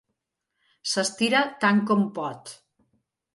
S'estira tant com pot.